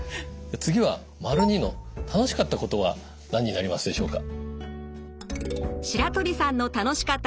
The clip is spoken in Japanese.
次は②の「楽しかったこと」は何になりますでしょうか？